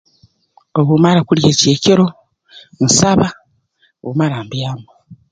Obu mmara kulya eky'ekiro nsaba obu mmara mbyama